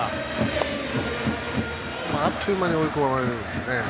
あっという間に追い込まれるんです。